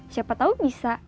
siapa tau bisa